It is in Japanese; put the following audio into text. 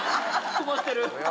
困ってる。